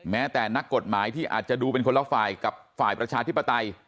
แม้แต่นักกฎหมายที่อาจจะดูเป็นคนละฝ่ายกับฝ่ายประชาธิปไตย